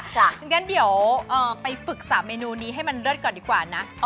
อย่างนั้นเดี๋ยวไปฝึก๓เมนูนี้ให้มันเลิศก่อนดีกว่านะ